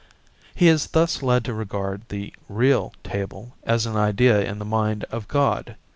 He is thus led to regard the 'real' table as an idea in the mind of God.